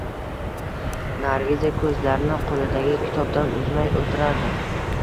Nargiza ko`zlarini qo`lidagi kitobdan uzmay o`tirardi